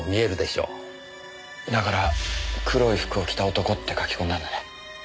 だから黒い服を着た男って書き込んだんだね。